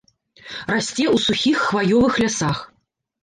Расце ў сухіх хваёвых лясах.